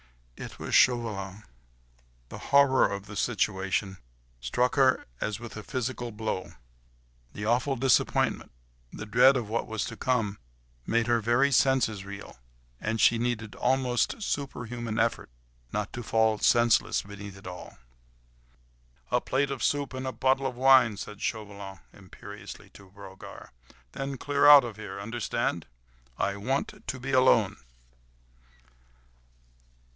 It was Chauvelin! The horror of the situation struck her as with a physical blow; the awful disappointment, the dread of what was to come, made her very senses reel, and she needed almost superhuman effort, not to fall senseless beneath it all. "A plate of soup and a bottle of wine," said Chauvelin imperiously to Brogard, "then clear out of here—understand? I want to be alone."